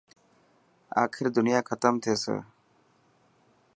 آخر دنيا ختم ٿيسي.